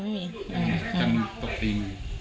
จำตกตีมี